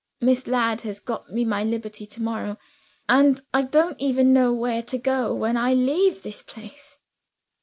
Miss Ladd has got me my liberty tomorrow; and I don't even know where to go, when I leave this place."